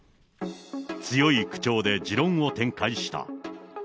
強い口調で持論を展開した。